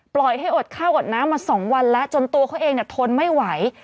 ปล่อยให้อดข้าวอดน้ำมา๒วันแล้วจนตัวเขาเองทนไม่ไหว